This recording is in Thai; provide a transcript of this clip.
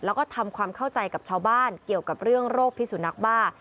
แล้วก็ทำความเข้าใจกับชาวบ้านเกี่ยวกับเรื่องโรคพิสุนักบ้า